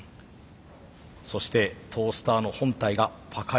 そしてトースターの本体がパカリと割れるか。